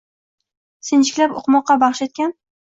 sinchiklab, uqmoqqa bahsh etgan